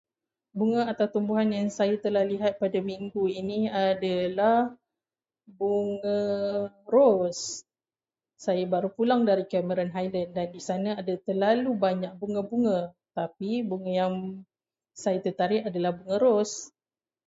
Bunga atau tumbuhan yang saya telah lihat pada minggu ini adalah bunga ros. Saya baru pulang dari Cameron Highlands dan di sana ada terlalu banyak bunga-bunga tapi bunga yang saya tertarik adalah bunga ros.